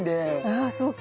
あそっか。